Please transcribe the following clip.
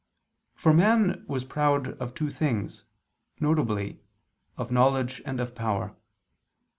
For man was proud of two things, viz. of knowledge and of power.